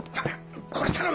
これ頼む！